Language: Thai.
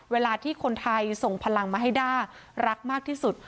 เวลาที่คนไทยส่งพลังมาให้ด้ารักมากที่สุด